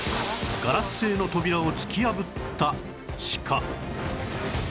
ガラス製の扉を突き破ったシカ